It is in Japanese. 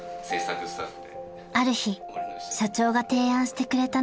［ある日社長が提案してくれたのは］